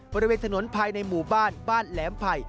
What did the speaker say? บริเวณถนนภายในหมู่บ้านบ้านแหลมไผ่